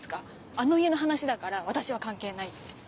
あの家の話だから私は関係ないって。